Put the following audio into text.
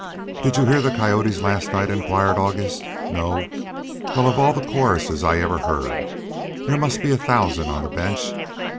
"Did you hear the coyotes last night?" inquired August. "No! Well, of all the choruses I ever heard. There must be a thousand on the bench.